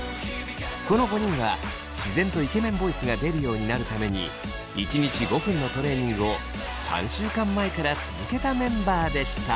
この５人は自然とイケメンボイスが出るようになるために１日５分のトレーニングを３週間前から続けたメンバーでした。